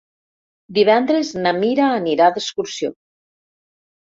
Divendres na Mira anirà d'excursió.